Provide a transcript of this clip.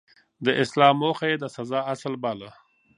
د اصلاح موخه يې د سزا اصل باله.